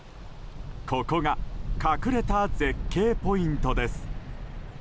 ここが隠れた絶景ポイントです。